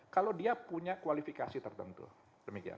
kalau dia punya kualifikasi tertentu demikian